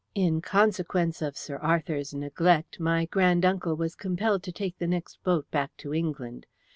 In consequence of Sir Arthur's neglect my grand uncle was compelled to take the next boat back to England.